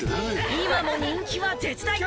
今も人気は絶大！